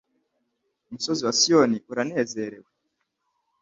umusozi wa Siyoni uranezerewe